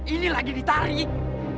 ini lagi ditarik